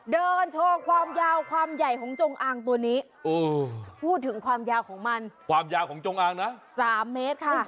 เฮ้ยทำไมมีความสามารถขนาดนี้